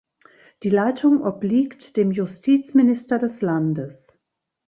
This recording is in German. Die Leitung obliegt dem Justizminister des Landes.